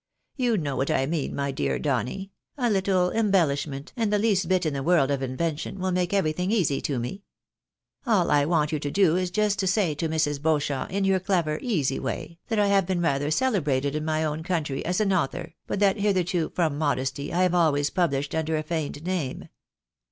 You know what I mean, my dear Donny— a little embellishment, and the least bit in the world of invention, will make everything easy to me. All I want you to do is just to say to Mrs. Beauchamp, in your clever, easy way, that I have been rather celebrated in my own country as an author, but that laitherto, from modesty, I have always pub lished under a feigned name.